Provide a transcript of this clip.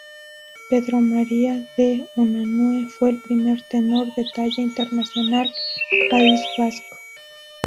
Pedro María de Unanue fue el primer tenor de talla internacional País Vasco.